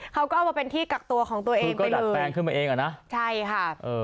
เขาก็เอามาเป็นที่กักตัวของตัวเองไปดัดแปลงขึ้นมาเองอ่ะนะใช่ค่ะเออ